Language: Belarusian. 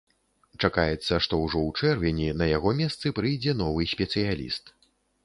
Чакаецца, што ўжо ў чэрвені на яго месцы прыйдзе новы спецыяліст.